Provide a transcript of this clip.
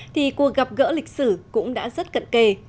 thì cuộc gặp gỡ lịch sử cũng đã rất cận kề